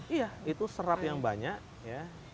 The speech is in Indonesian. iya itu serat yang banyak ya